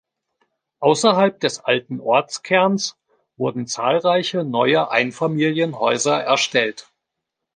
Außerhalb des alten Ortskerns wurden zahlreiche neue Einfamilienhäuser erstellt.